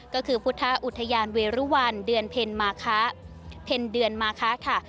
ก็คือพุทธอุทยานเวรุวรรณเดือนเพ็ญมาฆะ